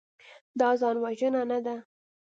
دا ځانوژنه نه ده.